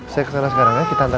saya kesana sekarang ya kita anda